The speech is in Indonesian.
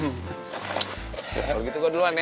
kalau gitu gue duluan ya